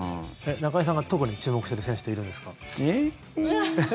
中居さんが特に注目してる選手っているんですか？